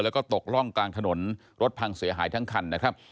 แล้วก็ตกร่องกลางถนนรถพังเสียหายทั้งคันนะครับ